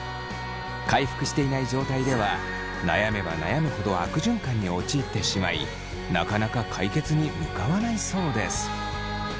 回復していない状態では悩めば悩むほど悪循環に陥ってしまいなかなか解決に向かわないそうです。